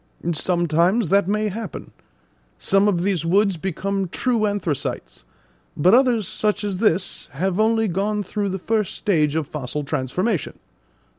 "Sometimes that may happen; some of these woods become true anthracites; but others, such as this, have only gone through the first stage of fossil transformation.